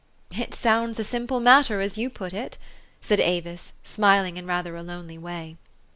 " It sounds a simple matter, as you put it," said Avis, smiling in rather a lonely way.